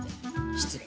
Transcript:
失礼。